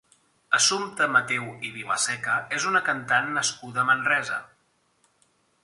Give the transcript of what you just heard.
Assumpta Mateu i Vilaseca és una cantant nascuda a Manresa.